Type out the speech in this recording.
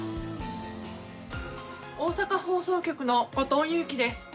大阪放送局の後藤佑季です。